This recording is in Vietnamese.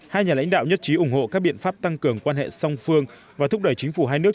hai nhà lãnh đạo nhất trí ủng hộ các biện pháp tăng cường quan hệ song phương và thúc đẩy chính phủ hai nước